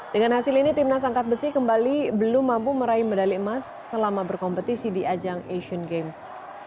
dengan hasil ini timnas angkat besi kembali belum mampu meraih medali emas selama berkompetisi di ajang asian games